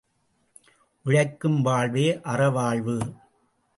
உழைக்கும் வாழ்வே அறவாழ்வு!